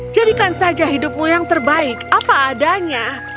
jadikan saja hidupmu yang terbaik apa adanya